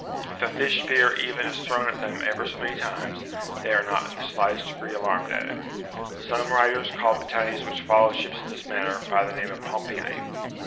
If a fish spear even is thrown at them ever so many times, they are not in the slightest degree alarmed at it. Some Avriters call the tunnies which follow ships in this manner, by the name of ''pompili."